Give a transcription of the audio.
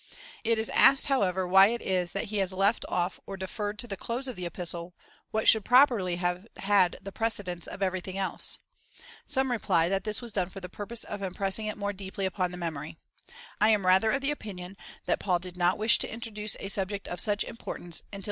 It is asked, however, why it is that he has left off or de ferred to the close of the Epistle, what should properly have had the precedence of everything else ? Some reply, that this was done for the purpose of impressing it more deeply upon the memory. I am rather of opinion that Paul did ^" lusqiies a Corinthe ;"— "As far as Corinth."